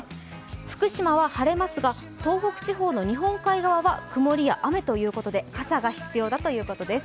福島は晴れますが、東北地方の日本海側は曇りや雨ということで傘が必要だということです。